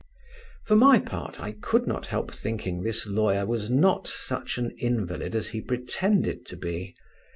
For my part, I could not help thinking this lawyer was not such an invalid as he pretended to be.